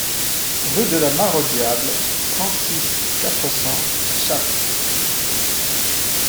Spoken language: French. Rue de la Mare au Diable, trente-six, quatre cents La Châtre